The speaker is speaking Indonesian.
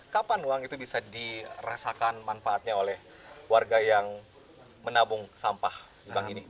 kapan uang itu bisa dirasakan manfaatnya oleh warga yang menabung sampah bank ini